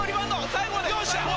最後まで。